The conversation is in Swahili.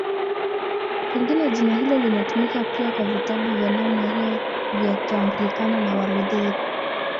Pengine jina hilo linatumika pia kwa vitabu vya namna hiyo vya Anglikana na Walutheri.